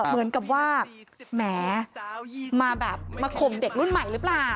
เหมือนกับว่าแหมมาแบบมาข่มเด็กรุ่นใหม่หรือเปล่า